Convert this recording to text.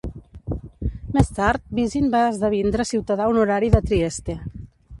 Més tard, Visin va esdevindre ciutadà honorari de Trieste.